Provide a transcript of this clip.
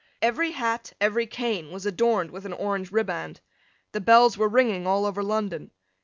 Every hat, every cane, was adorned with an orange riband. The bells were ringing all over London.